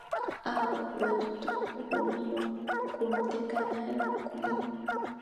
ao walituhumiwa kumteka nyara na kumuua